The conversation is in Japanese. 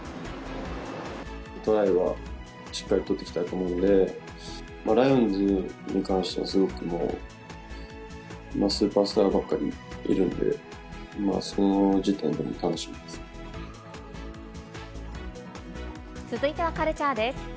トライはしっかり取っていきたいと思うんで、ライオンズに関しては、すごくスーパースターばかりいるんで、続いてはカルチャーです。